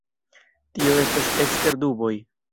Tio estas ekster duboj.